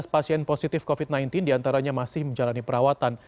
tiga belas pasien positif covid sembilan belas diantaranya masih menjalani perawatan